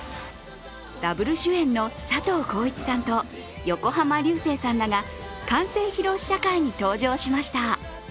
ダブル主演の佐藤浩市さんと横浜流星さんが完成披露試写会に登場しました。